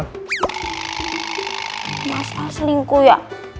masal selingkuh ya